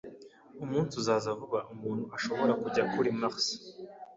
Umunsi uzaza vuba umuntu ashobora kujya kuri Mars